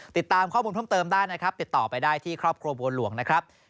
ติดตามข้อมูลเพิ่มเติมได้นะครับติดต่อไปได้ที่ครอบครัวบัวหลวงนะครับ